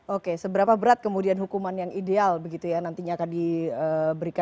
oke seberapa berat kemudian hukuman yang ideal begitu ya nantinya akan diberikan